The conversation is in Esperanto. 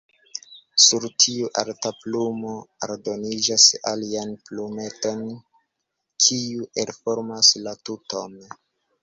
Sur tiu alta plumo aldoniĝas aliaj plumetoj, kiuj elformas la tuton.